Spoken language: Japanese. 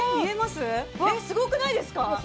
えっすごくないですか？